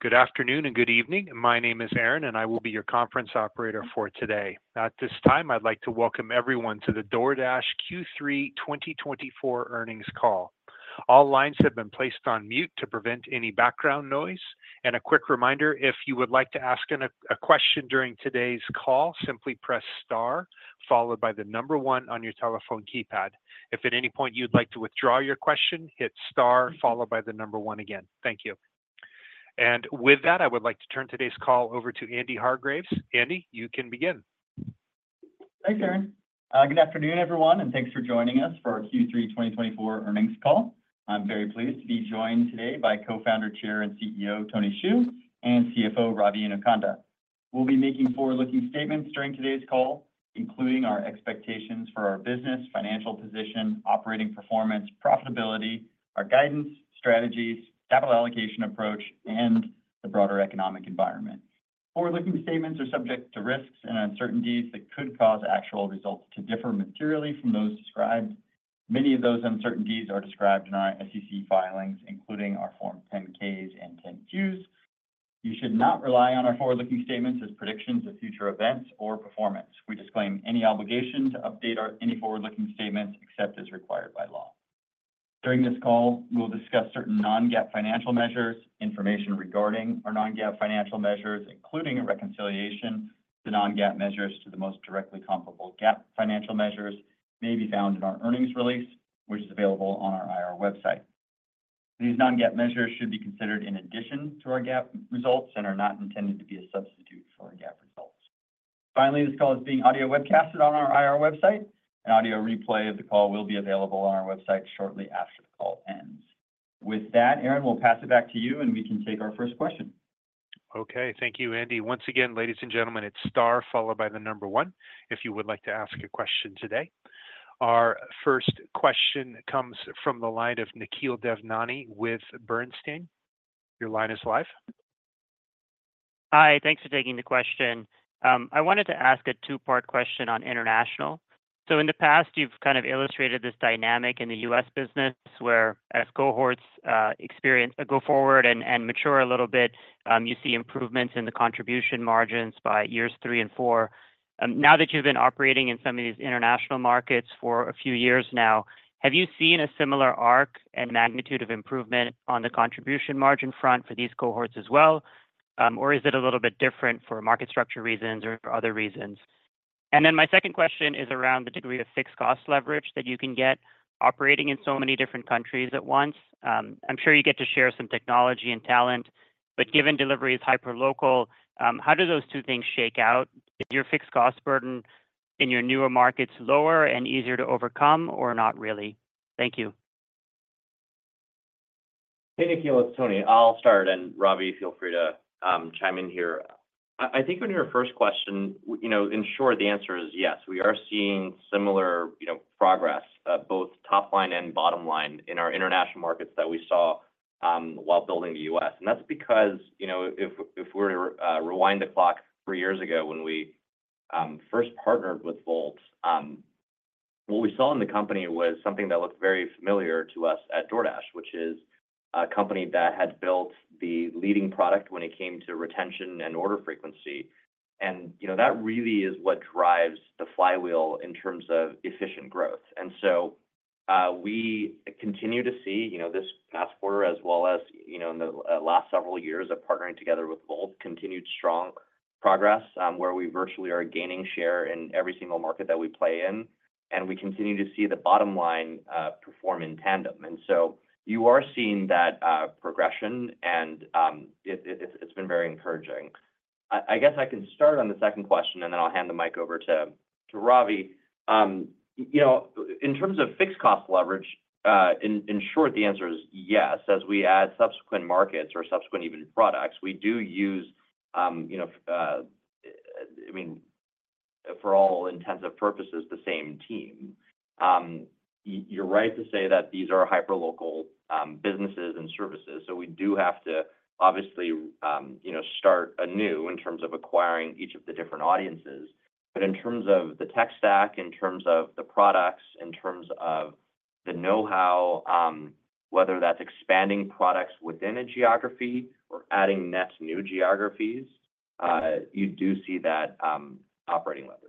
Good afternoon and good evening. My name is Aaron, and I will be your conference operator for today. At this time, I'd like to welcome everyone to the DoorDash Q3 2024 Earnings Call. All lines have been placed on mute to prevent any background noise. A quick reminder: if you would like to ask a question during today's call, simply press star followed by the number one on your telephone keypad. If at any point you'd like to withdraw your question, hit star followed by the number one again. Thank you. With that, I would like to turn today's call over to Andy Hargreaves. Andy, you can begin. Thanks, Aaron. Good afternoon, everyone, and thanks for joining us for our Q3 2024 Earnings Call. I'm very pleased to be joined today by Co-founder, Chair, and CEO Tony Xu, and CFO Ravi Inukonda. We'll be making forward-looking statements during today's call, including our expectations for our business, financial position, operating performance, profitability, our guidance, strategies, capital allocation approach, and the broader economic environment. Forward-looking statements are subject to risks and uncertainties that could cause actual results to differ materially from those described. Many of those uncertainties are described in our SEC filings, including our Form 10-Ks and 10-Qs. You should not rely on our forward-looking statements as predictions of future events or performance. We disclaim any obligation to update any forward-looking statements except as required by law. During this call, we'll discuss certain non-GAAP financial measures. Information regarding our non-GAAP financial measures, including a reconciliation to non-GAAP measures to the most directly comparable GAAP financial measures, may be found in our earnings release, which is available on our IR website. These non-GAAP measures should be considered in addition to our GAAP results and are not intended to be a substitute for our GAAP results. Finally, this call is being audio webcasted on our IR website, and audio replay of the call will be available on our website shortly after the call ends. With that, Aaron, we'll pass it back to you, and we can take our first question. Okay, thank you, Andy. Once again, ladies and gentlemen, it's star followed by the number one if you would like to ask a question today. Our first question comes from the line of Nikhil Devnani with Bernstein. Your line is live. Hi, thanks for taking the question. I wanted to ask a two-part question on international. So in the past, you've kind of illustrated this dynamic in the U.S. business where, as cohorts go forward and mature a little bit, you see improvements in the contribution margins by years three and four. Now that you've been operating in some of these international markets for a few years now, have you seen a similar arc and magnitude of improvement on the contribution margin front for these cohorts as well, or is it a little bit different for market structure reasons or other reasons? And then my second question is around the degree of fixed cost leverage that you can get operating in so many different countries at once. I'm sure you get to share some technology and talent, but given deliveries hyper-local, how do those two things shake out? Is your fixed cost burden in your newer markets lower and easier to overcome or not really? Thank you. Hey, Nikhil, it's Tony. I'll start, and Ravi, feel free to chime in here. I think on your first question, in short, the answer is yes. We are seeing similar progress, both top line and bottom line, in our international markets that we saw while building the U.S., and that's because if we were to rewind the clock three years ago when we first partnered with Wolt, what we saw in the company was something that looked very familiar to us at DoorDash, which is a company that had built the leading product when it came to retention and order frequency, and that really is what drives the flywheel in terms of efficient growth. We continue to see this past quarter, as well as in the last several years of partnering together with Wolt, continued strong progress where we virtually are gaining share in every single market that we play in. We continue to see the bottom line perform in tandem. You are seeing that progression, and it's been very encouraging. I guess I can start on the second question, and then I'll hand the mic over to Ravi. In terms of fixed cost leverage, in short, the answer is yes. As we add subsequent markets or subsequent even products, we do use, I mean, for all intents and purposes, the same team. You're right to say that these are hyper-local businesses and services. We do have to obviously start anew in terms of acquiring each of the different audiences. But in terms of the tech stack, in terms of the products, in terms of the know-how, whether that's expanding products within a geography or adding net new geographies, you do see that operating leverage.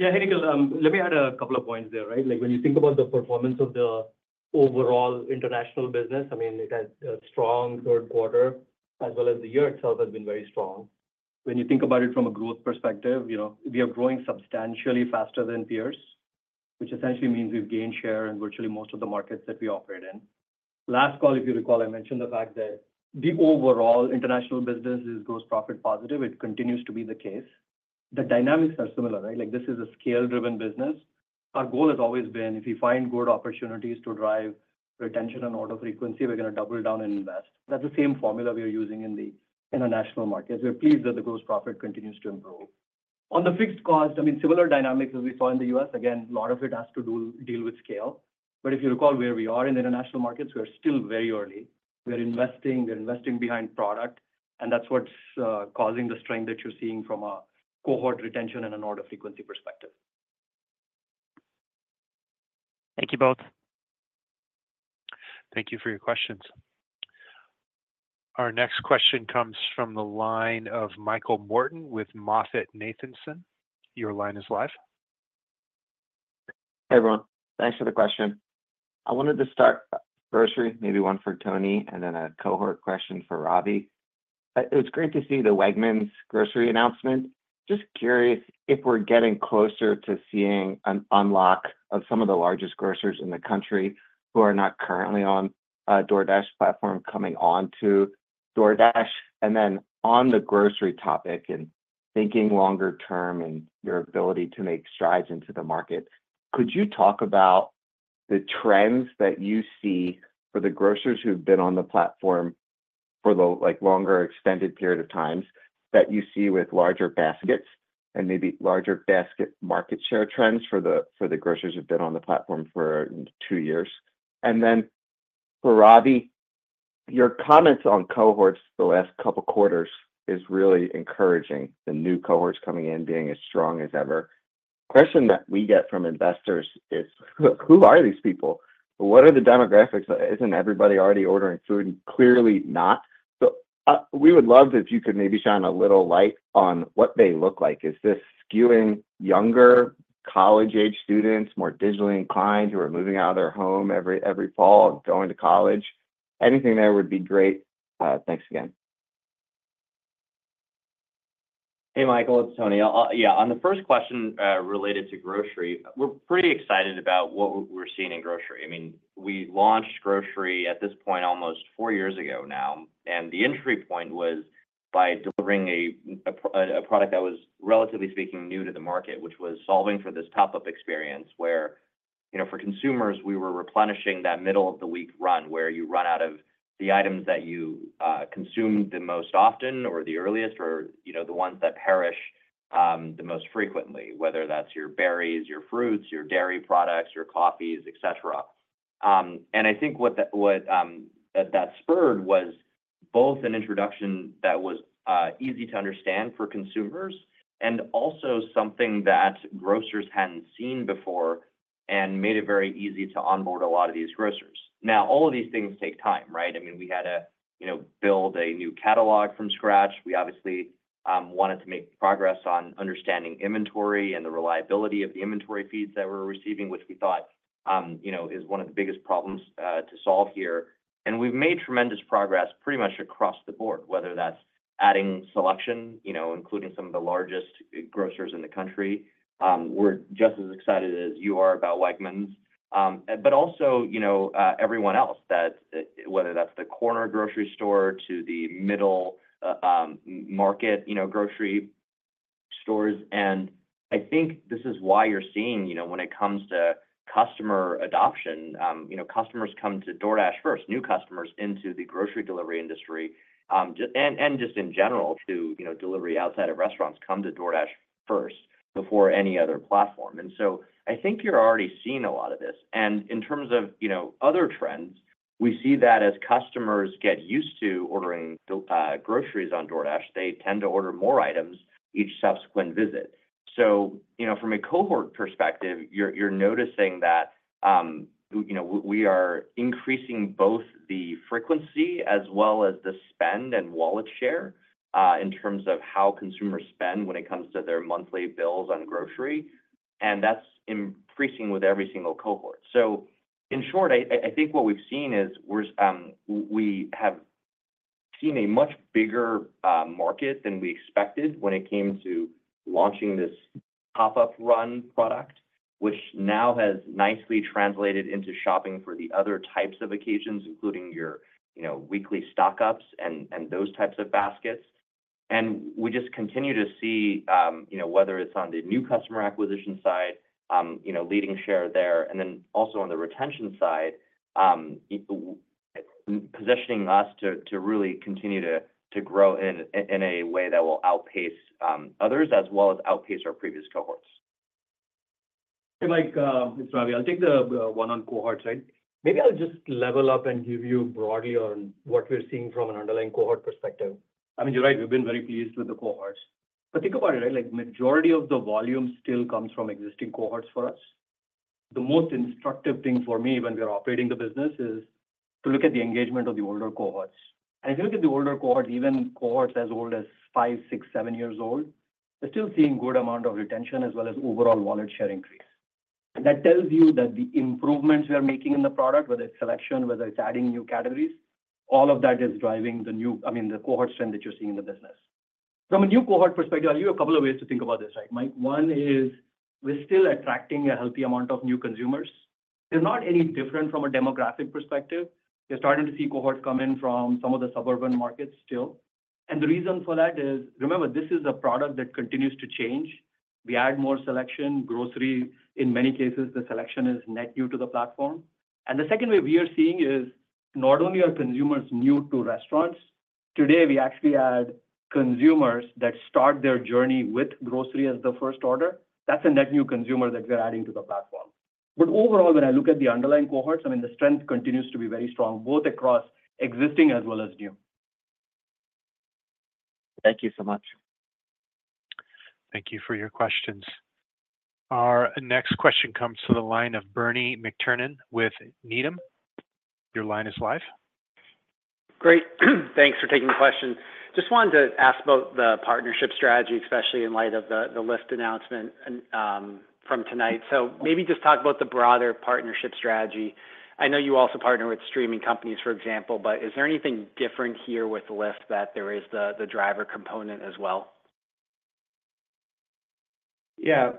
Yeah, hey, Nikhil, let me add a couple of points there, right? When you think about the performance of the overall international business, I mean, it had a strong third quarter, as well as the year itself has been very strong. When you think about it from a growth perspective, we are growing substantially faster than peers, which essentially means we've gained share in virtually most of the markets that we operate in. Last call, if you recall, I mentioned the fact that the overall international business is gross profit positive. It continues to be the case. The dynamics are similar, right? This is a scale-driven business. Our goal has always been, if we find good opportunities to drive retention and order frequency, we're going to double down and invest. That's the same formula we are using in the international markets. We're pleased that the gross profit continues to improve. On the fixed cost, I mean, similar dynamics as we saw in the U.S. Again, a lot of it has to deal with scale. But if you recall where we are in the international markets, we are still very early. We're investing. We're investing behind product, and that's what's causing the strength that you're seeing from a cohort retention and an order frequency perspective. Thank you both. Thank you for your questions. Our next question comes from the line of Michael Morton with MoffettNathanson. Your line is live. Hey, everyone. Thanks for the question. I wanted to start grocery, maybe one for Tony, and then a cohort question for Ravi. It was great to see the Wegmans grocery announcement. Just curious if we're getting closer to seeing an unlock of some of the largest grocers in the country who are not currently on DoorDash platform coming on to DoorDash. And then on the grocery topic and thinking longer term and your ability to make strides into the market, could you talk about the trends that you see for the grocers who've been on the platform for the longer extended period of times that you see with larger baskets and maybe larger basket market share trends for the grocers who've been on the platform for two years? And then for Ravi, your comments on cohorts the last couple of quarters is really encouraging, the new cohorts coming in being as strong as ever. The question that we get from investors is, who are these people? What are the demographics? Isn't everybody already ordering food? Clearly not. So we would love if you could maybe shine a little light on what they look like. Is this skewing younger college-age students, more digitally inclined, who are moving out of their home every fall and going to college? Anything there would be great. Thanks again. Hey, Michael, it's Tony. Yeah, on the first question related to grocery, we're pretty excited about what we're seeing in grocery. I mean, we launched grocery at this point almost four years ago now. And the entry point was by delivering a product that was, relatively speaking, new to the market, which was solving for this pop-up experience where for consumers, we were replenishing that middle-of-the-week run where you run out of the items that you consume the most often or the earliest or the ones that perish the most frequently, whether that's your berries, your fruits, your dairy products, your coffees, etc. And I think what that spurred was both an introduction that was easy to understand for consumers and also something that grocers hadn't seen before and made it very easy to onboard a lot of these grocers. Now, all of these things take time, right? I mean, we had to build a new catalog from scratch. We obviously wanted to make progress on understanding inventory and the reliability of the inventory feeds that we're receiving, which we thought is one of the biggest problems to solve here, and we've made tremendous progress pretty much across the board, whether that's adding selection, including some of the largest grocers in the country. We're just as excited as you are about Wegmans, but also everyone else, whether that's the corner grocery store to the middle market grocery stores, and I think this is why you're seeing when it comes to customer adoption, customers come to DoorDash first, new customers into the grocery delivery industry, and just in general to delivery outside of restaurants come to DoorDash first before any other platform, and so I think you're already seeing a lot of this. And in terms of other trends, we see that as customers get used to ordering groceries on DoorDash, they tend to order more items each subsequent visit. So from a cohort perspective, you're noticing that we are increasing both the frequency as well as the spend and wallet share in terms of how consumers spend when it comes to their monthly bills on grocery. And that's increasing with every single cohort. So in short, I think what we've seen is we have seen a much bigger market than we expected when it came to launching this pop-up run product, which now has nicely translated into shopping for the other types of occasions, including your weekly stock-ups and those types of baskets. We just continue to see whether it's on the new customer acquisition side, leading share there, and then also on the retention side, positioning us to really continue to grow in a way that will outpace others as well as outpace our previous cohorts. Hey, Mike, it's Ravi. I'll take the one-on-one cohort side. Maybe I'll just level up and give you broadly on what we're seeing from an underlying cohort perspective. I mean, you're right. We've been very pleased with the cohorts. But think about it, right? Majority of the volume still comes from existing cohorts for us. The most instructive thing for me when we're operating the business is to look at the engagement of the older cohorts. And if you look at the older cohorts, even cohorts as old as five, six, seven years old, they're still seeing a good amount of retention as well as overall wallet share increase. And that tells you that the improvements we're making in the product, whether it's selection, whether it's adding new categories, all of that is driving the new, I mean, the cohort strength that you're seeing in the business. From a new cohort perspective, I'll give you a couple of ways to think about this, right, Mike? One is we're still attracting a healthy amount of new consumers. They're not any different from a demographic perspective. You're starting to see cohorts come in from some of the suburban markets still. And the reason for that is, remember, this is a product that continues to change. We add more selection. Grocery, in many cases, the selection is net new to the platform. And the second way we are seeing is not only are consumers new to restaurants. Today, we actually add consumers that start their journey with grocery as the first order. That's a net new consumer that we're adding to the platform. But overall, when I look at the underlying cohorts, I mean, the strength continues to be very strong both across existing as well as new. Thank you so much. Thank you for your questions. Our next question comes to the line of Bernie McTernan with Needham. Your line is live. Great. Thanks for taking the question. Just wanted to ask about the partnership strategy, especially in light of the Lyft announcement from tonight. So maybe just talk about the broader partnership strategy. I know you also partner with streaming companies, for example, but is there anything different here with Lyft that there is the driver component as well? Yeah.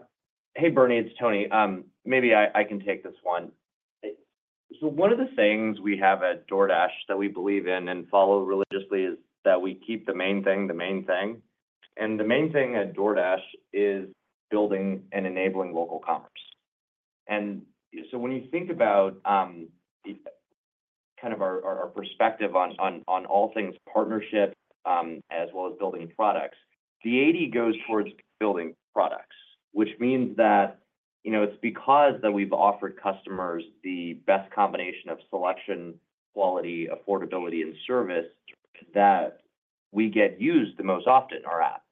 Hey, Bernie, it's Tony. Maybe I can take this one. So one of the things we have at DoorDash that we believe in and follow religiously is that we keep the main thing the main thing. And the main thing at DoorDash is building and enabling local commerce. And so when you think about kind of our perspective on all things partnership as well as building products, the 80 goes towards building products, which means that it's because that we've offered customers the best combination of selection, quality, affordability, and service that we get used the most often, our app.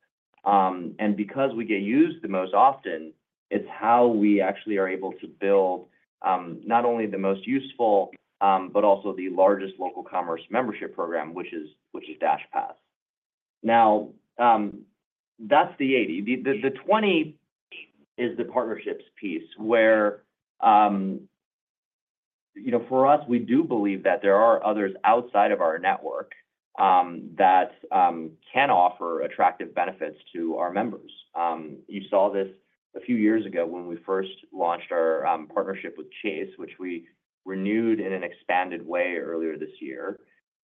And because we get used the most often, it's how we actually are able to build not only the most useful, but also the largest local commerce membership program, which is DashPass. Now, that's the 80. The 20 is the partnerships piece where for us, we do believe that there are others outside of our network that can offer attractive benefits to our members. You saw this a few years ago when we first launched our partnership with Chase, which we renewed in an expanded way earlier this year.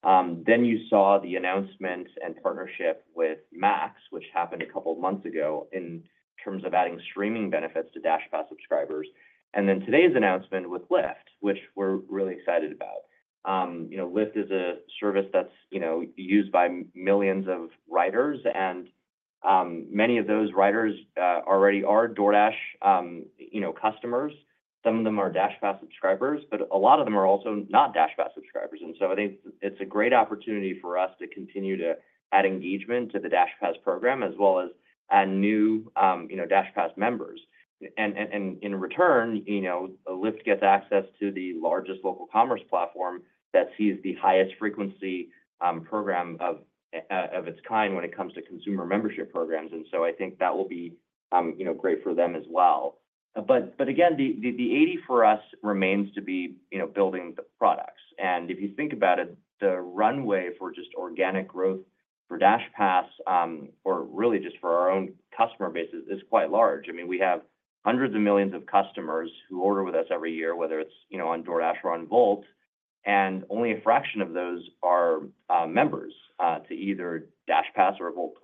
Then you saw the announcement and partnership with Max, which happened a couple of months ago in terms of adding streaming benefits to DashPass subscribers. And then today's announcement with Lyft, which we're really excited about. Lyft is a service that's used by millions of riders, and many of those riders already are DoorDash customers. Some of them are DashPass subscribers, but a lot of them are also not DashPass subscribers. And so I think it's a great opportunity for us to continue to add engagement to the DashPass program as well as add new DashPass members. In return, Lyft gets access to the largest local commerce platform that sees the highest frequency program of its kind when it comes to consumer membership programs. I think that will be great for them as well. Again, the 80 for us remains to be building the products. If you think about it, the runway for just organic growth for DashPass, or really just for our own customer base, is quite large. I mean, we have hundreds of millions of customers who order with us every year, whether it's on DoorDash or on Wolt, and only a fraction of those are members to either DashPass or Wolt+.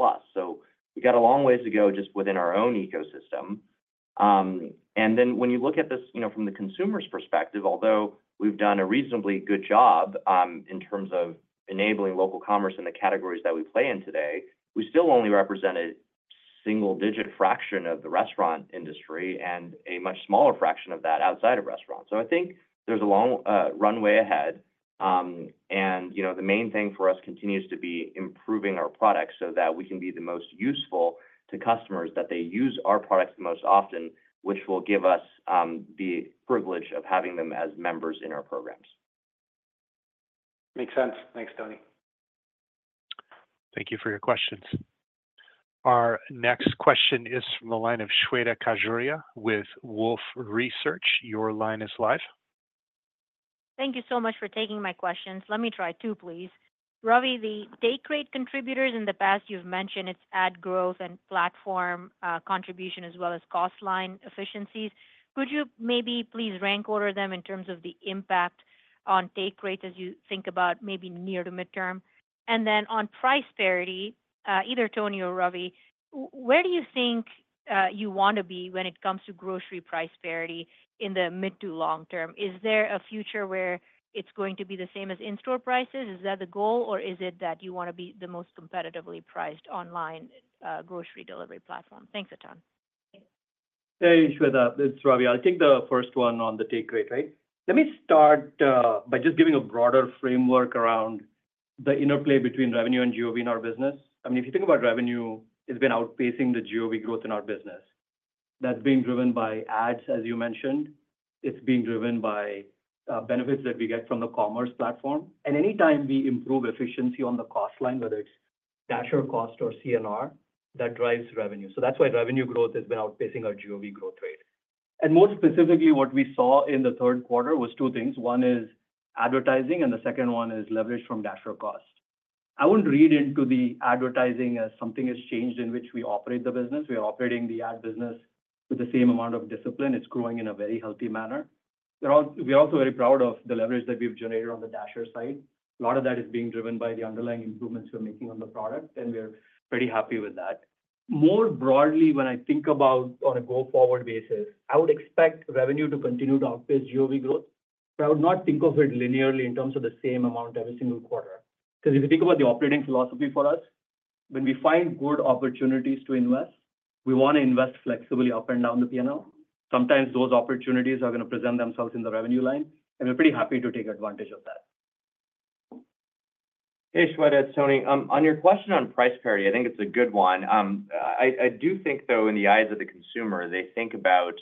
We've got a long way to go just within our own ecosystem. And then when you look at this from the consumer's perspective, although we've done a reasonably good job in terms of enabling local commerce in the categories that we play in today, we still only represent a single-digit fraction of the restaurant industry and a much smaller fraction of that outside of restaurants. So I think there's a long runway ahead. And the main thing for us continues to be improving our products so that we can be the most useful to customers that they use our products the most often, which will give us the privilege of having them as members in our programs. Makes sense. Thanks, Tony. Thank you for your questions. Our next question is from the line of Shweta Khajuria with Wolfe Research. Your line is live. Thank you so much for taking my questions. Let me try to, please. Ravi, the EBITDA contributors in the past you've mentioned it's ad growth and platform contribution as well as cost line efficiencies. Could you maybe please rank order them in terms of the impact on EBITDA as you think about maybe near to midterm? And then on price parity, either Tony or Ravi, where do you think you want to be when it comes to grocery price parity in the mid to long term? Is there a future where it's going to be the same as in-store prices? Is that the goal, or is it that you want to be the most competitively priced online grocery delivery platform? Thanks a ton. Hey, Shweta. It's Ravi. I'll take the first one on the revenue to GOV dynamic, right? Let me start by just giving a broader framework around the interplay between revenue and GOV in our business. I mean, if you think about revenue, it's been outpacing the GOV growth in our business. That's being driven by ads, as you mentioned. It's being driven by benefits that we get from the commerce platform. And anytime we improve efficiency on the cost line, whether it's Dasher cost or C&R, that drives revenue. So that's why revenue growth has been outpacing our GOV growth rate. And more specifically, what we saw in the third quarter was two things. One is advertising, and the second one is leverage from Dasher cost. I wouldn't read into the advertising as something has changed in which we operate the business. We are operating the ad business with the same amount of discipline. It's growing in a very healthy manner. We're also very proud of the leverage that we've generated on the Dasher side. A lot of that is being driven by the underlying improvements we're making on the product, and we're pretty happy with that. More broadly, when I think about on a go-forward basis, I would expect revenue to continue to outpace GOV growth, but I would not think of it linearly in terms of the same amount every single quarter. Because if you think about the operating philosophy for us, when we find good opportunities to invest, we want to invest flexibly up and down the P&L. Sometimes those opportunities are going to present themselves in the revenue line, and we're pretty happy to take advantage of that. Hey, Shweta. It's Tony. On your question on price parity, I think it's a good one. I do think, though, in the eyes of the consumer, they think about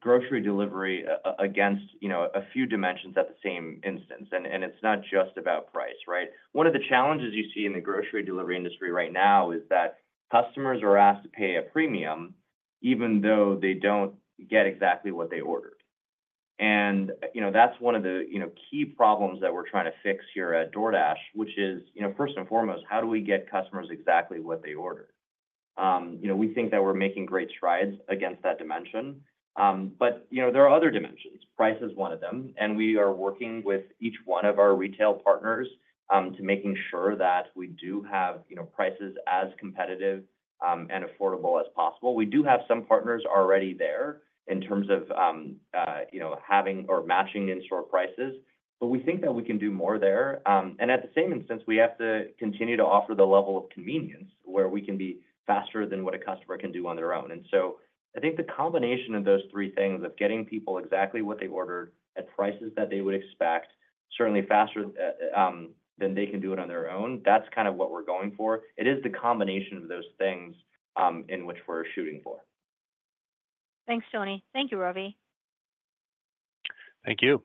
grocery delivery against a few dimensions at the same instance. And it's not just about price, right? One of the challenges you see in the grocery delivery industry right now is that customers are asked to pay a premium even though they don't get exactly what they ordered. And that's one of the key problems that we're trying to fix here at DoorDash, which is, first and foremost, how do we get customers exactly what they ordered? We think that we're making great strides against that dimension. But there are other dimensions. Price is one of them. We are working with each one of our retail partners to make sure that we do have prices as competitive and affordable as possible. We do have some partners already there in terms of having or matching in-store prices, but we think that we can do more there. At the same instance, we have to continue to offer the level of convenience where we can be faster than what a customer can do on their own. So I think the combination of those three things of getting people exactly what they ordered at prices that they would expect, certainly faster than they can do it on their own, that's kind of what we're going for. It is the combination of those things in which we're shooting for. Thanks, Tony. Thank you, Ravi. Thank you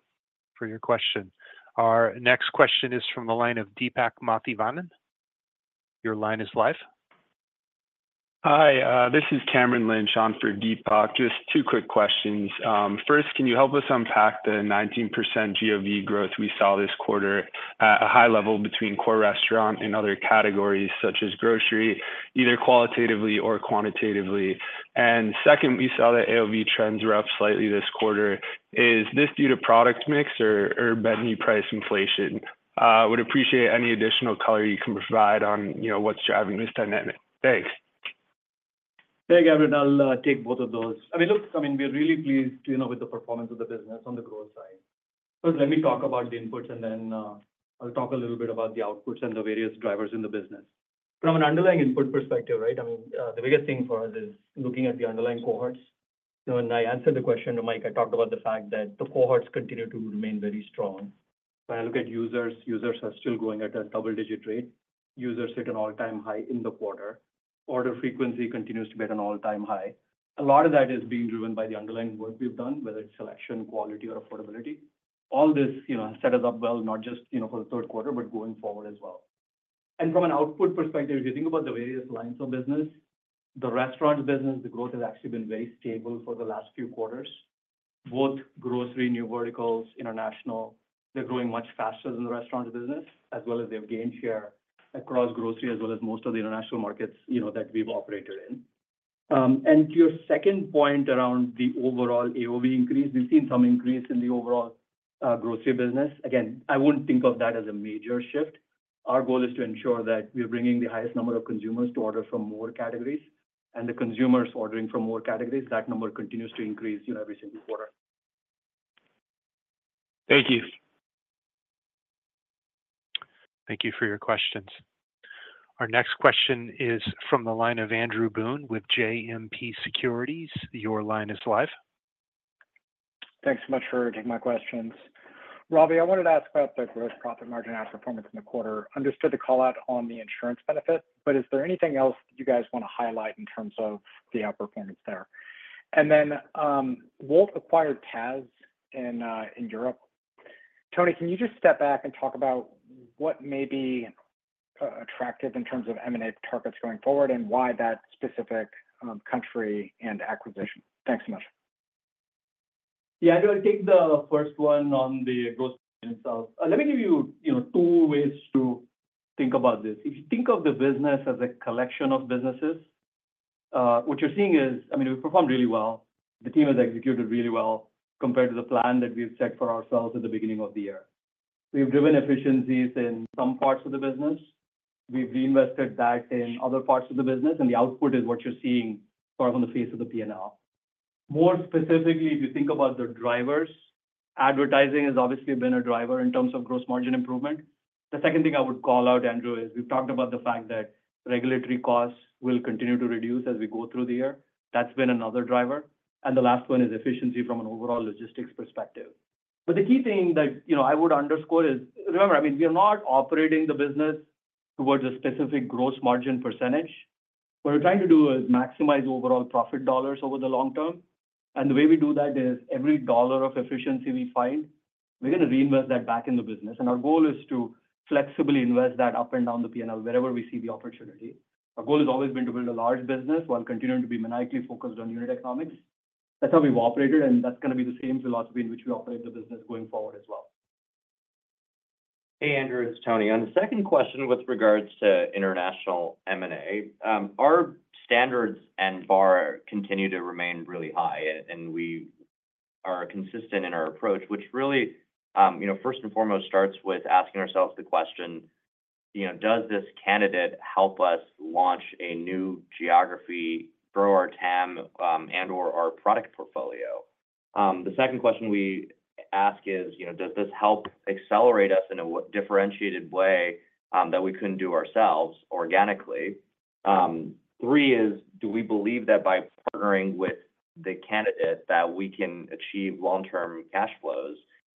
for your question. Our next question is from the line of Deepak Mathivanan. Your line is live. Hi. This is Cameron Lynch on for Deepak. Just two quick questions. First, can you help us unpack the 19% GOV growth we saw this quarter at a high level between core restaurant and other categories such as grocery, either qualitatively or quantitatively? And second, we saw that AOV trends were up slightly this quarter. Is this due to product mix or basket price inflation? Would appreciate any additional color you can provide on what's driving this dynamic. Thanks. Thank you, Cameron. I'll take both of those. I mean, look, I mean, we're really pleased with the performance of the business on the growth side. First, let me talk about the inputs, and then I'll talk a little bit about the outputs and the various drivers in the business. From an underlying input perspective, right, I mean, the biggest thing for us is looking at the underlying cohorts. When I answered the question to Mike, I talked about the fact that the cohorts continue to remain very strong. When I look at users, users are still going at a double-digit rate. Users hit an all-time high in the quarter. Order frequency continues to be at an all-time high. A lot of that is being driven by the underlying work we've done, whether it's selection, quality, or affordability. All this set us up well, not just for the third quarter, but going forward as well. And from an output perspective, if you think about the various lines of business, the restaurant business, the growth has actually been very stable for the last few quarters. Both grocery, new verticals, international, they're growing much faster than the restaurant business, as well as they've gained share across grocery as well as most of the international markets that we've operated in. And to your second point around the overall AOV increase, we've seen some increase in the overall grocery business. Again, I wouldn't think of that as a major shift. Our goal is to ensure that we're bringing the highest number of consumers to order from more categories. And the consumers ordering from more categories, that number continues to increase every single quarter. Thank you. Thank you for your questions. Our next question is from the line of Andrew Boone with JMP Securities. Your line is live. Thanks so much for taking my questions. Ravi, I wanted to ask about the gross profit margin outperformance in the quarter. Understood the callout on the insurance benefit, but is there anything else you guys want to highlight in terms of the outperformance there? And then Wolt acquired Tazz in Europe. Tony, can you just step back and talk about what may be attractive in terms of M&A targets going forward and why that specific country and acquisition? Thanks so much. Yeah, I think the first one on the growth in itself, let me give you two ways to think about this. If you think of the business as a collection of businesses, what you're seeing is, I mean, we performed really well. The team has executed really well compared to the plan that we've set for ourselves at the beginning of the year. We've driven efficiencies in some parts of the business. We've reinvested that in other parts of the business, and the output is what you're seeing sort of on the face of the P&L. More specifically, if you think about the drivers, advertising has obviously been a driver in terms of gross margin improvement. The second thing I would call out, Andrew, is we've talked about the fact that regulatory costs will continue to reduce as we go through the year. That's been another driver. And the last one is efficiency from an overall logistics perspective. But the key thing that I would underscore is, remember, I mean, we are not operating the business towards a specific gross margin percentage. What we're trying to do is maximize overall profit dollars over the long term. And the way we do that is every dollar of efficiency we find, we're going to reinvest that back in the business. And our goal is to flexibly invest that up and down the P&L wherever we see the opportunity. Our goal has always been to build a large business while continuing to be maniacally focused on unit economics. That's how we've operated, and that's going to be the same philosophy in which we operate the business going forward as well. Hey, Andrew, it's Tony. On the second question with regards to international M&A, our standards and bar continue to remain really high, and we are consistent in our approach, which really, first and foremost, starts with asking ourselves the question, does this candidate help us launch a new geography, grow our TAM and/or our product portfolio? The second question we ask is, does this help accelerate us in a differentiated way that we couldn't do ourselves organically? Three is, do we believe that by partnering with the candidate that we can achieve long-term cash flows?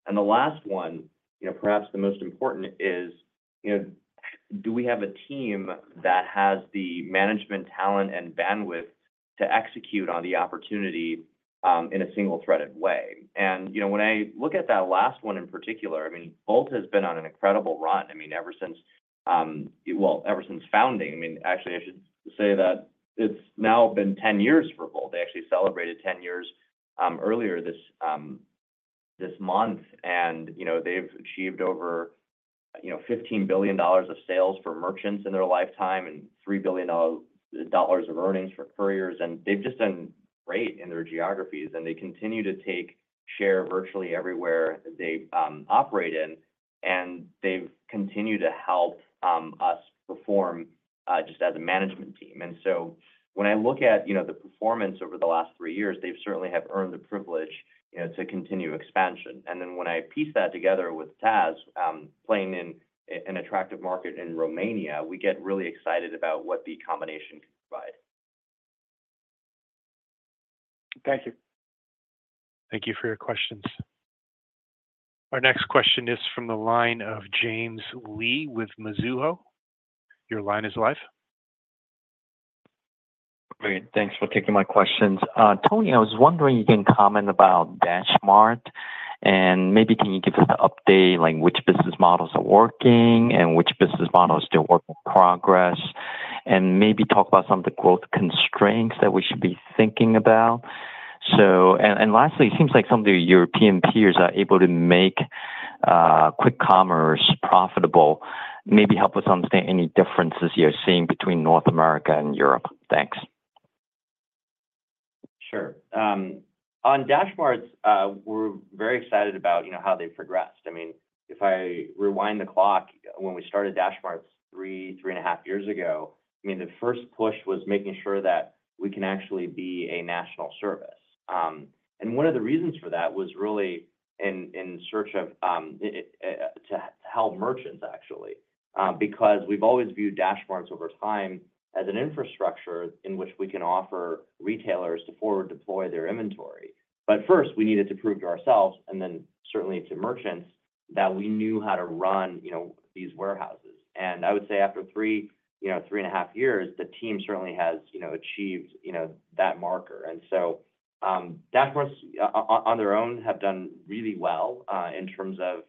And the last one, perhaps the most important, is do we have a team that has the management talent and bandwidth to execute on the opportunity in a single-threaded way? And when I look at that last one in particular, I mean, Wolt has been on an incredible run. I mean, ever since founding, I mean, actually, I should say that it's now been 10 years for Wolt. They actually celebrated 10 years earlier this month, and they've achieved over $15 billion of sales for merchants in their lifetime and $3 billion of earnings for couriers. And they've just done great in their geographies, and they continue to take share virtually everywhere they operate in, and they've continued to help us perform just as a management team. And so when I look at the performance over the last three years, they certainly have earned the privilege to continue expansion. And then when I piece that together with Tazz playing in an attractive market in Romania, we get really excited about what the combination can provide. Thank you. Thank you for your questions. Our next question is from the line of James Lee with Mizuho. Your line is live. Great. Thanks for taking my questions. Tony, I was wondering if you can comment about DashMart, and maybe can you give us an update like which business models are working and which business models are still work in progress, and maybe talk about some of the growth constraints that we should be thinking about? And lastly, it seems like some of the European peers are able to make quick commerce profitable. Maybe help us understand any differences you're seeing between North America and Europe. Thanks. Sure. On DashMarts, we're very excited about how they've progressed. I mean, if I rewind the clock, when we started DashMarts three, three and a half years ago, I mean, the first push was making sure that we can actually be a national service. And one of the reasons for that was really in search of to help merchants, actually, because we've always viewed DashMarts over time as an infrastructure in which we can offer retailers to forward deploy their inventory. But first, we needed to prove to ourselves, and then certainly to merchants, that we knew how to run these warehouses. And I would say after three, three and a half years, the team certainly has achieved that marker. DashMarts, on their own, have done really well in terms of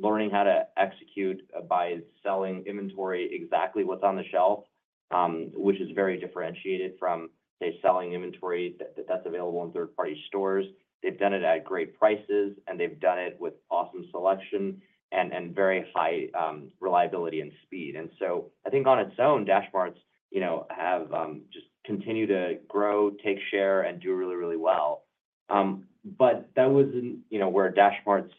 learning how to execute by selling inventory exactly what's on the shelf, which is very differentiated from, say, selling inventory that's available in third-party stores. They've done it at great prices, and they've done it with awesome selection and very high reliability and speed. And so I think on its own, DashMarts have just continued to grow, take share, and do really, really well. But that wasn't where DashMarts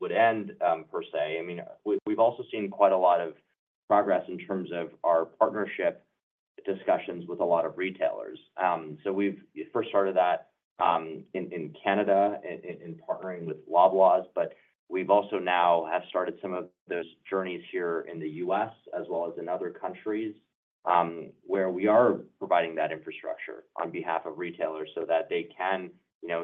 would end, per se. I mean, we've also seen quite a lot of progress in terms of our partnership discussions with a lot of retailers. So we've first started that in Canada in partnering with Loblaws, but we've also now started some of those journeys here in the U.S. as well as in other countries where we are providing that infrastructure on behalf of retailers so that they can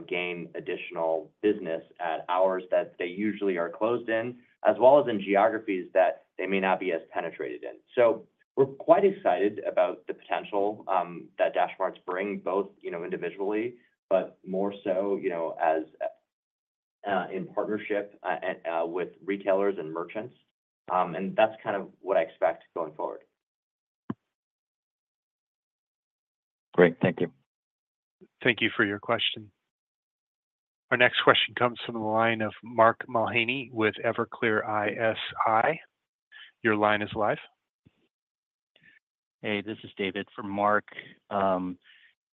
gain additional business at hours that they usually are closed in, as well as in geographies that they may not be as penetrated in. So we're quite excited about the potential that DashMarts bring both individually, but more so in partnership with retailers and merchants. And that's kind of what I expect going forward. Great. Thank you. Thank you for your question. Our next question comes from the line of Mark Mahaney with Evercore ISI. Your line is live. this is David from Evercore ISI on behalf of Mark Mahaney.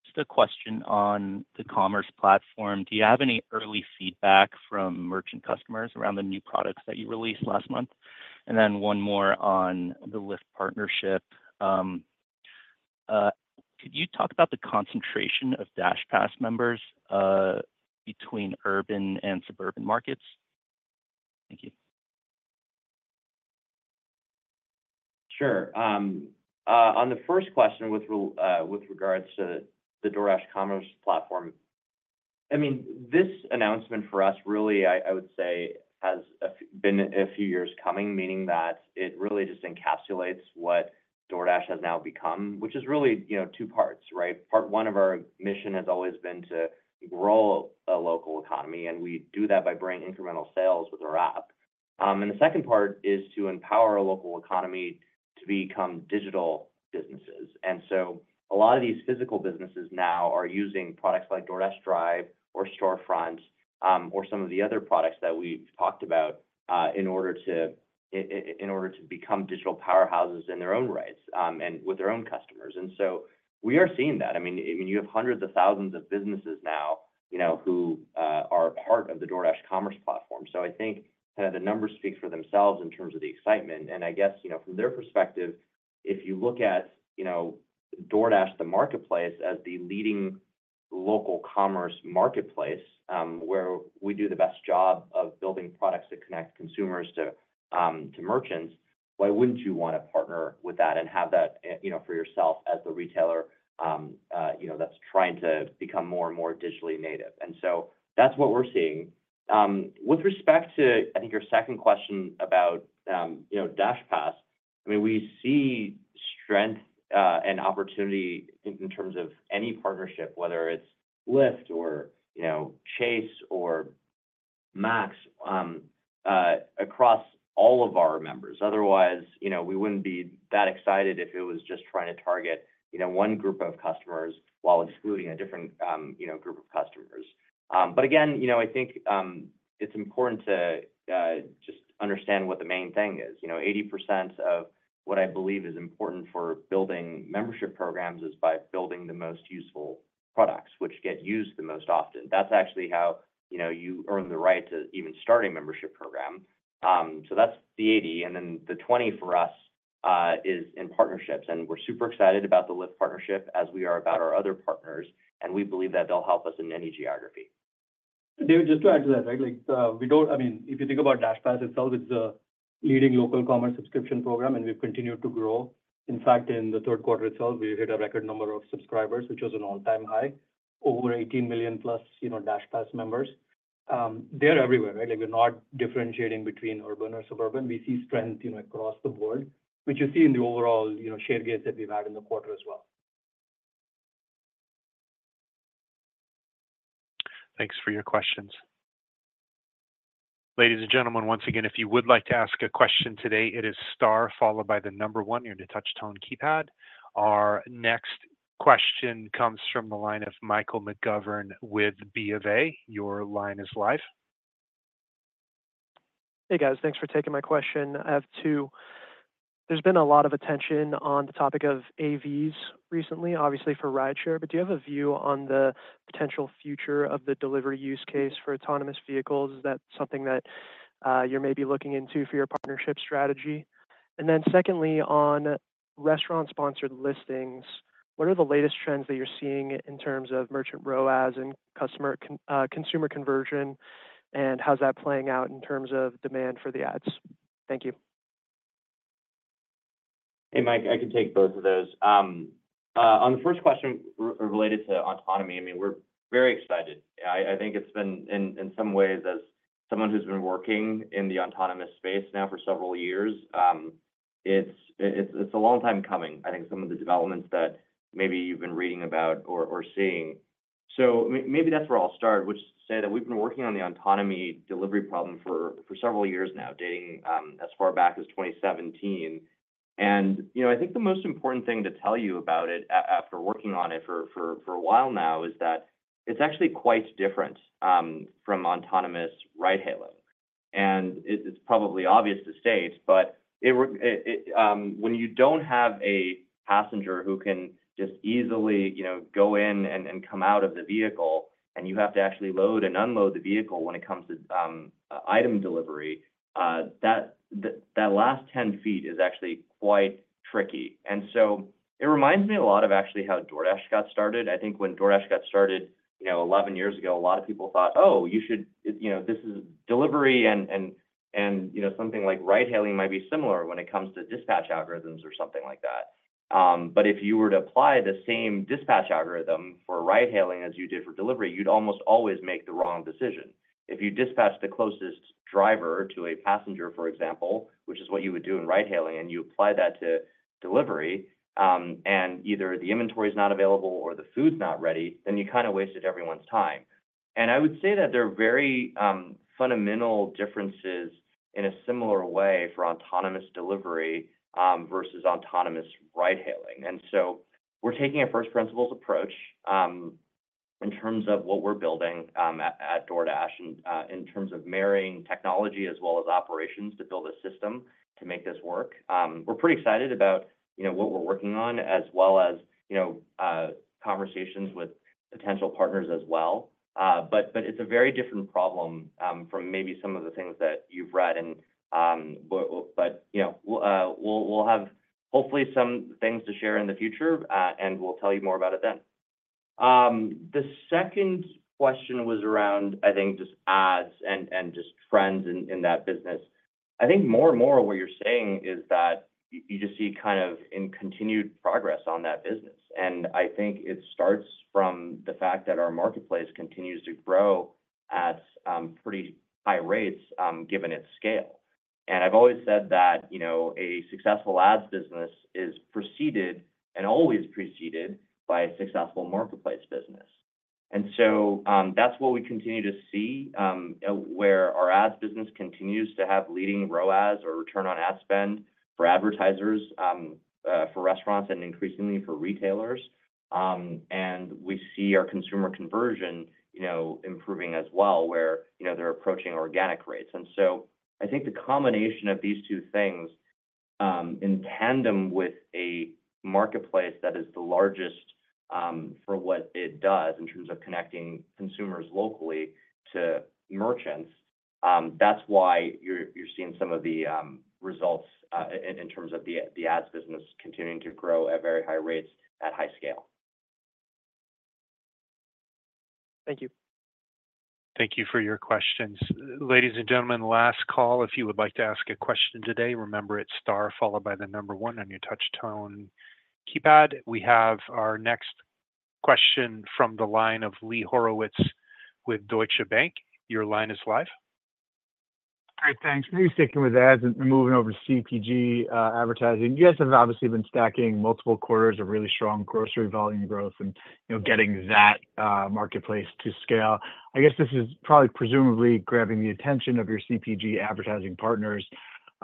Just a question on the commerce platform. Do you have any early feedback from merchant customers around the new products that you released last month? And then one more on the Lyft partnership. Could you talk about the concentration of DashPass members between urban and suburban markets? Thank you. Sure. On the first question with regards to the DoorDash Commerce Platform, I mean, this announcement for us, really, I would say, has been a few years coming, meaning that it really just encapsulates what DoorDash has now become, which is really two parts, right? Part one of our mission has always been to grow a local economy, and we do that by bringing incremental sales with our app. And the second part is to empower a local economy to become digital businesses. And so a lot of these physical businesses now are using products like DoorDash Drive or Storefront or some of the other products that we've talked about in order to become digital powerhouses in their own rights and with their own customers. And so we are seeing that. I mean, you have hundreds of thousands of businesses now who are part of the DoorDash Commerce Platform. So I think kind of the numbers speak for themselves in terms of the excitement. And I guess from their perspective, if you look at DoorDash, the marketplace, as the leading local commerce marketplace where we do the best job of building products that connect consumers to merchants, why wouldn't you want to partner with that and have that for yourself as the retailer that's trying to become more and more digitally native? And so that's what we're seeing. With respect to, I think, your second question about DashPass, I mean, we see strength and opportunity in terms of any partnership, whether it's Lyft or Chase or Max across all of our members. Otherwise, we wouldn't be that excited if it was just trying to target one group of customers while excluding a different group of customers. But again, I think it's important to just understand what the main thing is. 80% of what I believe is important for building membership programs is by building the most useful products, which get used the most often. That's actually how you earn the right to even start a membership program. So that's the 80. And then the 20% for us is in partnerships. And we're super excited about the Lyft partnership as we are about our other partners, and we believe that they'll help us in any geography. David, just to add to that, right? I mean, if you think about DashPass itself, it's a leading local commerce subscription program, and we've continued to grow. In fact, in the third quarter itself, we hit a record number of subscribers, which was an all-time high, over 18 million plus DashPass members. They're everywhere, right? We're not differentiating between urban or suburban. We see strength across the board, which you see in the overall share gains that we've had in the quarter as well. Thanks for your questions. Ladies and gentlemen, once again, if you would like to ask a question today, it is star followed by the number one near the touch-tone keypad. Our next question comes from the line of Michael McGovern with B of A. Your line is live. Hey, guys. Thanks for taking my question. I have two. There's been a lot of attention on the topic of AVs recently, obviously for ridesharing, but do you have a view on the potential future of the delivery use case for autonomous vehicles? Is that something that you're maybe looking into for your partnership strategy? And then secondly, on restaurant-sponsored listings, what are the latest trends that you're seeing in terms of merchant ROAS and consumer conversion, and how's that playing out in terms of demand for the ads? Thank you. Hey, Mike, I can take both of those. On the first question related to autonomy, I mean, we're very excited. I think it's been, in some ways, as someone who's been working in the autonomous space now for several years, it's a long time coming, I think, some of the developments that maybe you've been reading about or seeing. So maybe that's where I'll start, which is to say that we've been working on the autonomy delivery problem for several years now, dating as far back as 2017. And I think the most important thing to tell you about it after working on it for a while now is that it's actually quite different from autonomous ride-hailing. It's probably obvious to state, but when you don't have a passenger who can just easily go in and come out of the vehicle, and you have to actually load and unload the vehicle when it comes to item delivery, that last 10 feet is actually quite tricky. It reminds me a lot of actually how DoorDash got started. I think when DoorDash got started 11 years ago, a lot of people thought, "Oh, you should this is delivery," and something like ride-hailing might be similar when it comes to dispatch algorithms or something like that. If you were to apply the same dispatch algorithm for ride-hailing as you did for delivery, you'd almost always make the wrong decision. If you dispatch the closest driver to a passenger, for example, which is what you would do in ride-hailing, and you apply that to delivery, and either the inventory is not available or the food's not ready, then you kind of wasted everyone's time. And I would say that they're very fundamental differences in a similar way for autonomous delivery versus autonomous ride-hailing. And so we're taking a first-principles approach in terms of what we're building at DoorDash and in terms of marrying technology as well as operations to build a system to make this work. We're pretty excited about what we're working on as well as conversations with potential partners as well. But it's a very different problem from maybe some of the things that you've read. But we'll have hopefully some things to share in the future, and we'll tell you more about it then. The second question was around, I think, just ads and just trends in that business. I think more and more of what you're saying is that you just see kind of continued progress on that business. And I think it starts from the fact that our marketplace continues to grow at pretty high rates given its scale. And I've always said that a successful ads business is preceded and always preceded by a successful marketplace business. And so that's what we continue to see where our ads business continues to have leading ROAS or return on ad spend for advertisers, for restaurants, and increasingly for retailers. And we see our consumer conversion improving as well where they're approaching organic rates. And so I think the combination of these two things in tandem with a marketplace that is the largest for what it does in terms of connecting consumers locally to merchants, that's why you're seeing some of the results in terms of the ads business continuing to grow at very high rates at high scale. Thank you. Thank you for your questions. Ladies and gentlemen, last call. If you would like to ask a question today, remember it's star followed by the number one on your touch-tone keypad. We have our next question from the line of Lee Horowitz with Deutsche Bank. Your line is live. Great. Thanks. Maybe sticking with ads and moving over to CPG advertising. You guys have obviously been stacking multiple quarters of really strong grocery volume growth and getting that marketplace to scale. I guess this is probably presumably grabbing the attention of your CPG advertising partners.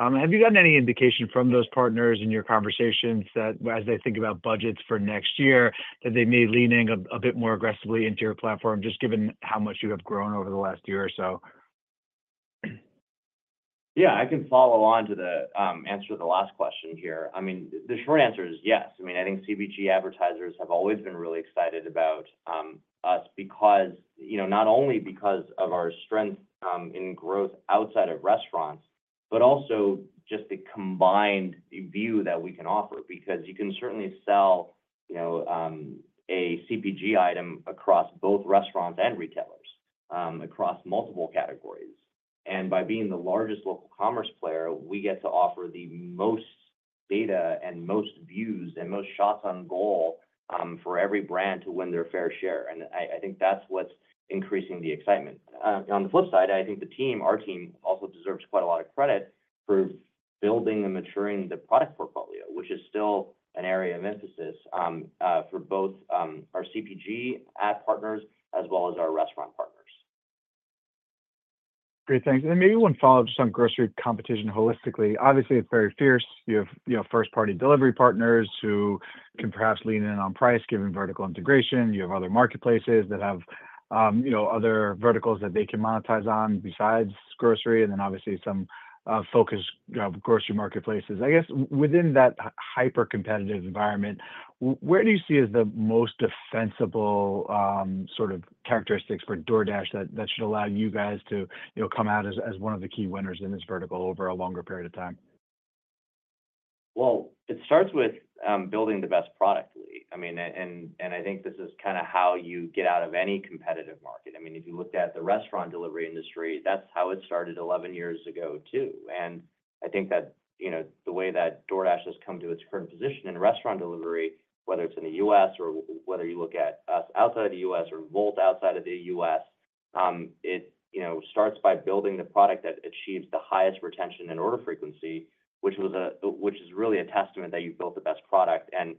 Have you gotten any indication from those partners in your conversations that as they think about budgets for next year, that they may be leaning a bit more aggressively into your platform just given how much you have grown over the last year or so? Yeah. I can follow on to the answer to the last question here. I mean, the short answer is yes. I mean, I think CPG advertisers have always been really excited about us not only because of our strength in growth outside of restaurants, but also just the combined view that we can offer because you can certainly sell a CPG item across both restaurants and retailers across multiple categories. And by being the largest local commerce player, we get to offer the most data and most views and most shots on goal for every brand to win their fair share. And I think that's what's increasing the excitement. On the flip side, I think the team, our team, also deserves quite a lot of credit for building and maturing the product portfolio, which is still an area of emphasis for both our CPG ad partners as well as our restaurant partners. Great. Thanks. And then maybe one follow-up just on grocery competition holistically. Obviously, it's very fierce. You have first-party delivery partners who can perhaps lean in on price given vertical integration. You have other marketplaces that have other verticals that they can monetize on besides grocery and then obviously some focused grocery marketplaces. I guess within that hyper-competitive environment, where do you see as the most defensible sort of characteristics for DoorDash that should allow you guys to come out as one of the key winners in this vertical over a longer period of time? It starts with building the best product, Lee. I mean, I think this is kind of how you get out of any competitive market. I mean, if you looked at the restaurant delivery industry, that's how it started 11 years ago too. I think that the way that DoorDash has come to its current position in restaurant delivery, whether it's in the U.S. or whether you look at us outside of the U.S. or Wolt outside of the U.S., it starts by building the product that achieves the highest retention and order frequency, which is really a testament that you built the best product, and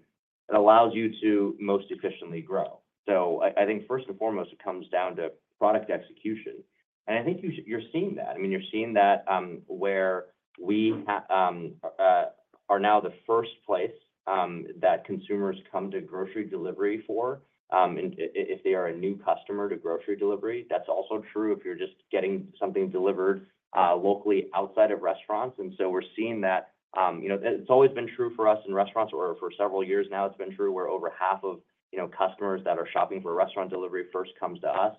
it allows you to most efficiently grow. I think first and foremost, it comes down to product execution. I think you're seeing that. I mean, you're seeing that where we are now, the first place that consumers come to grocery delivery for if they are a new customer to grocery delivery. That's also true if you're just getting something delivered locally outside of restaurants. And so we're seeing that. It's always been true for us in restaurants or for several years now, it's been true where over half of customers that are shopping for restaurant delivery first comes to us.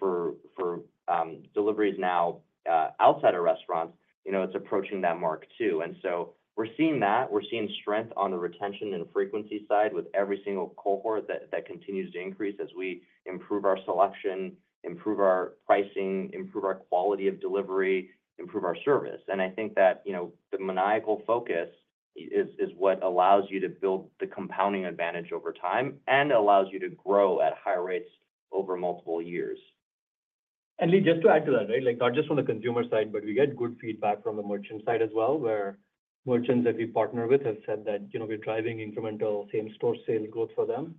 For deliveries now outside of restaurants, it's approaching that mark too. And so we're seeing that. We're seeing strength on the retention and frequency side with every single cohort that continues to increase as we improve our selection, improve our pricing, improve our quality of delivery, improve our service. I think that the maniacal focus is what allows you to build the compounding advantage over time and allows you to grow at higher rates over multiple years. And Lee, just to add to that, right? Not just from the consumer side, but we get good feedback from the merchant side as well where merchants that we partner with have said that we're driving incremental same-store sales growth for them.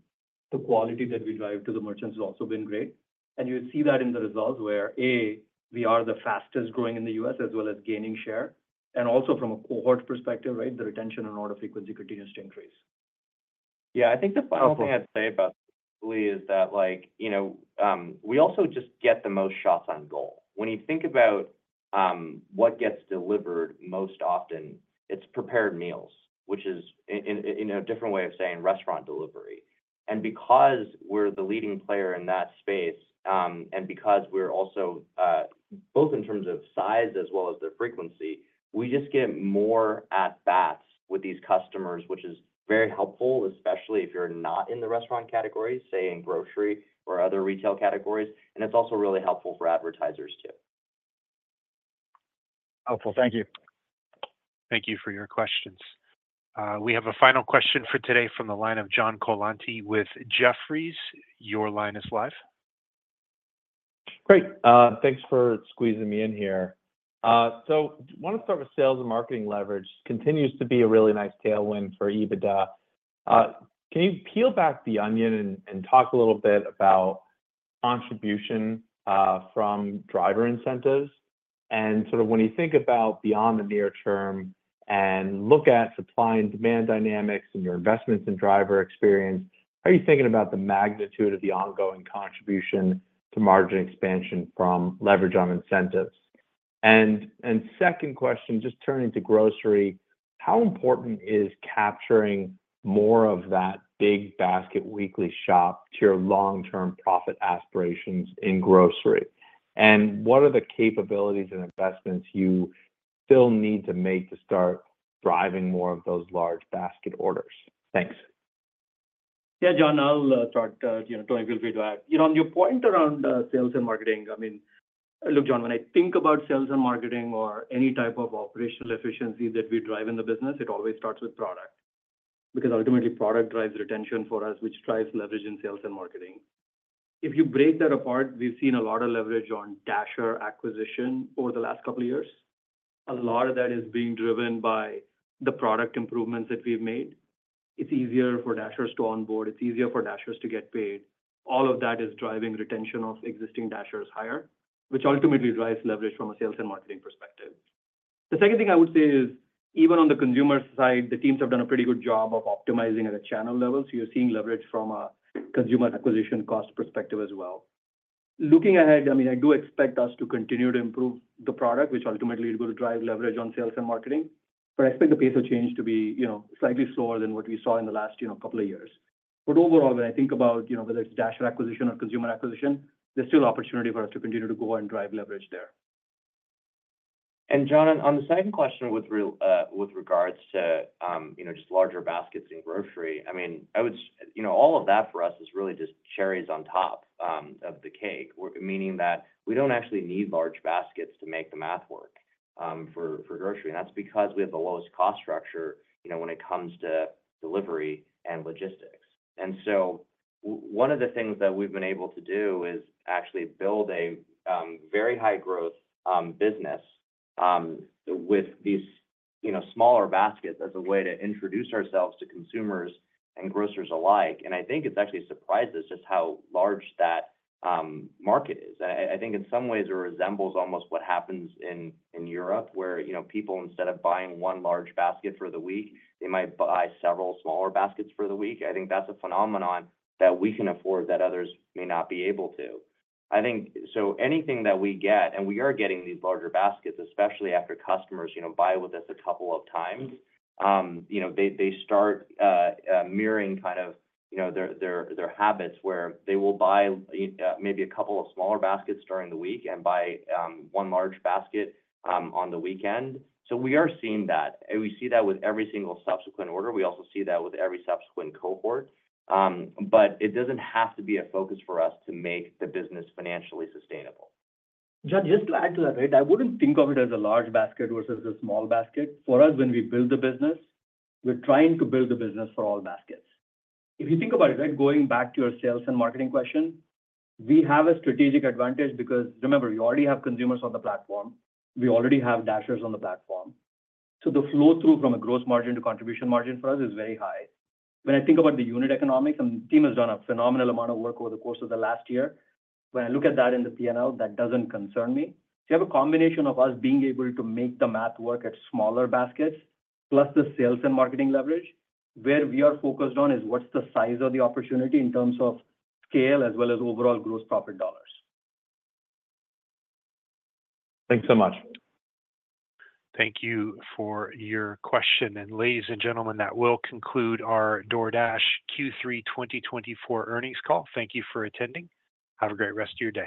The quality that we drive to the merchants has also been great. And you see that in the results where, A, we are the fastest growing in the U.S. as well as gaining share. And also from a cohort perspective, right, the retention and order frequency continues to increase. Yeah. I think the final thing I'd say about Lee is that we also just get the most shots on goal. When you think about what gets delivered most often, it's prepared meals, which is a different way of saying restaurant delivery, and because we're the leading player in that space and because we're also both in terms of size as well as the frequency, we just get more at-bats with these customers, which is very helpful, especially if you're not in the restaurant categories, say in grocery or other retail categories, and it's also really helpful for advertisers too. Helpful. Thank you. Thank you for your questions. We have a final question for today from the line of John Colantuoni with Jefferies. Your line is live. Great. Thanks for squeezing me in here. So I want to start with sales and marketing leverage. Continues to be a really nice tailwind for EBITDA. Can you peel back the onion and talk a little bit about contribution from driver incentives? And sort of when you think about beyond the near term and look at supply and demand dynamics and your investments in driver experience, how are you thinking about the magnitude of the ongoing contribution to margin expansion from leverage on incentives? And second question, just turning to grocery, how important is capturing more of that big basket weekly shop to your long-term profit aspirations in grocery? And what are the capabilities and investments you still need to make to start driving more of those large basket orders? Thanks. Yeah, John, I'll start. Tony will be live. On your point around sales and marketing, I mean, look, John, when I think about sales and marketing or any type of operational efficiency that we drive in the business, it always starts with product because ultimately product drives retention for us, which drives leverage in sales and marketing. If you break that apart, we've seen a lot of leverage on Dasher acquisition over the last couple of years. A lot of that is being driven by the product improvements that we've made. It's easier for Dashers to onboard. It's easier for Dashers to get paid. All of that is driving retention of existing Dashers higher, which ultimately drives leverage from a sales and marketing perspective. The second thing I would say is even on the consumer side, the teams have done a pretty good job of optimizing at a channel level. So you're seeing leverage from a consumer acquisition cost perspective as well. Looking ahead, I mean, I do expect us to continue to improve the product, which ultimately will drive leverage on sales and marketing. But I expect the pace of change to be slightly slower than what we saw in the last couple of years. But overall, when I think about whether it's Dasher acquisition or consumer acquisition, there's still opportunity for us to continue to go and drive leverage there. John, on the second question with regards to just larger baskets in grocery, I mean, all of that for us is really just cherries on top of the cake, meaning that we don't actually need large baskets to make the math work for grocery. And that's because we have the lowest cost structure when it comes to delivery and logistics. And so one of the things that we've been able to do is actually build a very high-growth business with these smaller baskets as a way to introduce ourselves to consumers and grocers alike. And I think it's actually surprised us just how large that market is. And I think in some ways, it resembles almost what happens in Europe where people, instead of buying one large basket for the week, they might buy several smaller baskets for the week. I think that's a phenomenon that we can afford that others may not be able to. I think so anything that we get, and we are getting these larger baskets, especially after customers buy with us a couple of times, they start mirroring kind of their habits where they will buy maybe a couple of smaller baskets during the week and buy one large basket on the weekend. So we are seeing that. We see that with every single subsequent order. We also see that with every subsequent cohort. But it doesn't have to be a focus for us to make the business financially sustainable. John, just to add to that, right? I wouldn't think of it as a large basket versus a small basket. For us, when we build the business, we're trying to build the business for all baskets. If you think about it, right, going back to your sales and marketing question, we have a strategic advantage because remember, we already have consumers on the platform. We already have Dashers on the platform. So the flow through from a gross margin to contribution margin for us is very high. When I think about the unit economics, and the team has done a phenomenal amount of work over the course of the last year, when I look at that in the P&L, that doesn't concern me. So you have a combination of us being able to make the math work at smaller baskets plus the sales and marketing leverage. Where we are focused on is what's the size of the opportunity in terms of scale as well as overall gross profit dollars. Thanks so much. Thank you for your question, and ladies and gentlemen, that will conclude our DoorDash Q3 2024 Earnings Call. Thank you for attending. Have a great rest of your day.